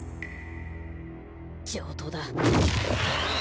上等だ。